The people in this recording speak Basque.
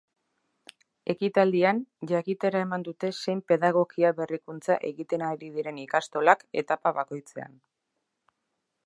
Ekitaldian, jakitera eman dute zein pedagogia-berrikuntza egiten ari diren ikastolak etapa bakoitzean.